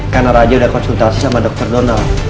karena raja udah konsultasi sama dokter donald